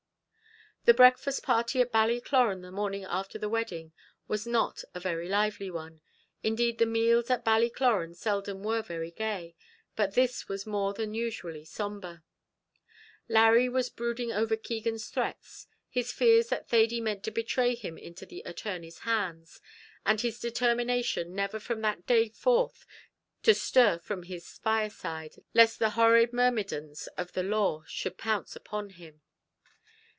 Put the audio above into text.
The breakfast party at Ballycloran the morning after the wedding was not a very lively one; indeed the meals at Ballycloran seldom were very gay, but this was more than usually sombre. Larry was brooding over Keegan's threats, his fears that Thady meant to betray him into the attorney's hands, and his determination never from that day forth to stir from his fireside, lest the horrid myrmidons of the law should pounce upon him.